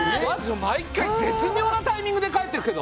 毎回絶みょうなタイミングで帰っていくけど。